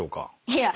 いや。